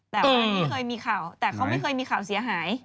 แต่อันนี้เคยมีข่าวแต่เขาไม่เคยมีข่าวเสียหาย